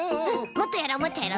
もっとやろうもっとやろう。